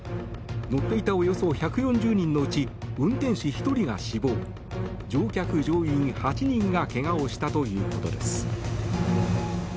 乗っていたおよそ１４０人のうち運転士１人が死亡乗客・乗員８人がけがをしたということです。